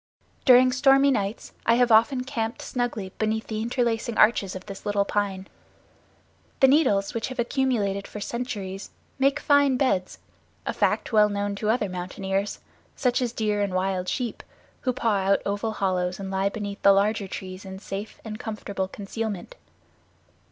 During stormy nights I have often camped snugly beneath the interlacing arches of this little pine. The needles, which have accumulated for centuries, make fine beds, a fact well known to other mountaineers, such as deer and wild sheep, who paw out oval hollows and lie beneath the larger trees in safe and comfortable concealment.